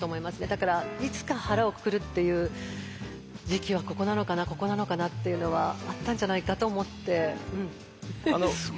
だからいつか腹をくくるっていう時期はここなのかなここなのかなっていうのはあったんじゃないかと思って。